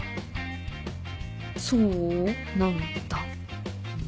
そうなんだ。